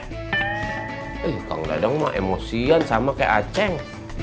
eh kang dadang emosian sama kayak aceng